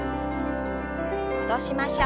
戻しましょう。